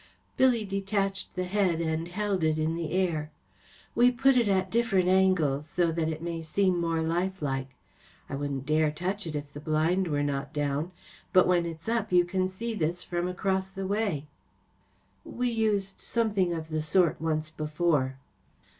Billy detached the head and held it in the air. ‚ÄĚ We put it at different angles, so that it may seem more life like. I wouldn’t dare touch it if the blind were not down. But when it’s up you cgui see this from across the way.‚ÄĚ 44 We used something of the sort once before.